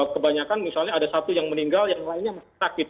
kebanyakan misalnya ada satu yang meninggal yang lainnya masih sakit